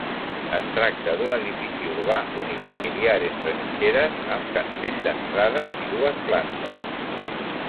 Es tracta d'un edifici urbà unifamiliar entre mitgeres amb cancell d'entrada i dues plantes.